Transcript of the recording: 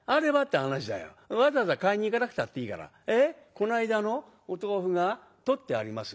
この間のお豆腐が取ってあります？